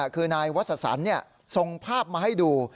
คือนายวัษฎศัลต์นี่ส่งภาพมาให้ดู